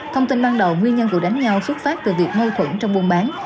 thông tin ban đầu nguyên nhân vụ đánh nhau xuất phát từ việc mâu thuẫn trong buôn bán